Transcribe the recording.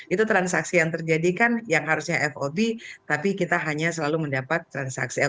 itu transaksi yang terjadi kan yang harusnya fob tapi kita hanya selalu mendapat transaksi